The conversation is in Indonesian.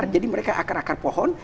jadi mereka akar akar pohon